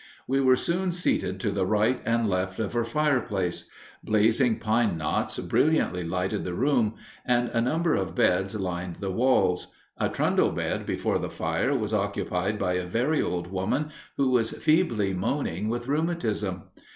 We were soon seated to the right and left of her fireplace. Blazing pine knots brilliantly lighted the room, and a number of beds lined the walls. A trundle bed before the fire was occupied by a very old woman, who was feebly moaning with rheumatism.